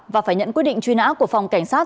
và phải nhận quyết định truy nã của phòng cảnh sát